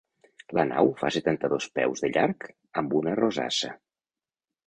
La nau fa setanta-dos peus de llarg, amb una rosassa.